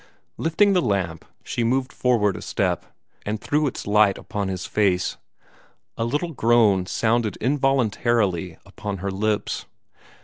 Lifting the lamp, she moved forward a step, and threw its light upon his face. A little groan sounded involuntarily upon her lips.